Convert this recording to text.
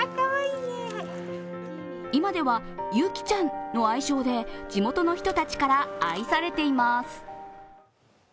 今では雪ちゃんの相性で、地元の人たちから愛されています。